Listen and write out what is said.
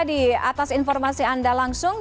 di atas informasi anda langsung